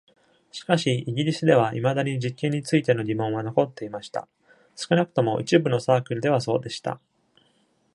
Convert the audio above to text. しかし、イギリスではいまだに実験についての疑問は残っていました。少なくとも一部のサークルではそうでした。